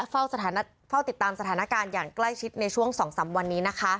เฝ้าติดตามสถานการณ์อย่างใกล้ชิดในช่วง๒๓วันนี้นะคะ